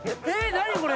何これ？